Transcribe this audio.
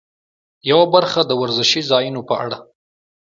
یوه برخه د وزرشي ځایونو په اړه.